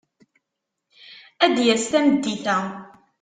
Ad d-yas tameddit-a.